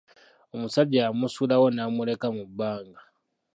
Omusajja yamusuulawo n’amuleka mu bbanga.